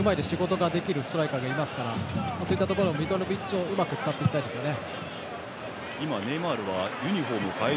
ストライカーがいますからそういったところドミトロビッチをうまく使っていきたいですね。